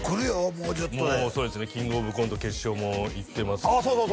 もうちょっとでそうですねキングオブコント決勝もいってますしそうそう